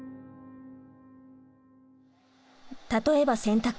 例えば洗濯。